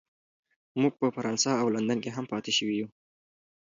موږ په فرانسه او لندن کې هم پاتې شوي یو